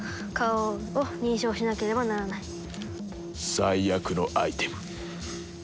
最悪のアイテム。